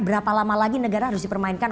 berapa lama lagi negara harus dipermainkan